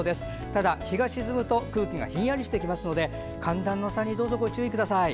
ただ、日が沈むと空気がひんやりしてきますので寒暖の差にご注意ください。